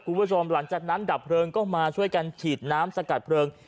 คุณผู้ชมหลังจากนั้นดับเพลิงก็มาช่วยกันฉีดน้ำสกัดเพลิง